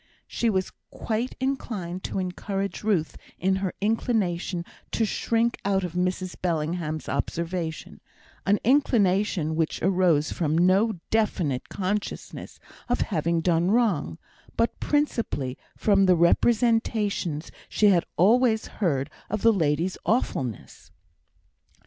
She was quite inclined to encourage Ruth in her inclination to shrink out of Mrs Bellingham's observation, an inclination which arose from no definite consciousness of having done wrong, but principally from the representations she had always heard of the lady's awfulness.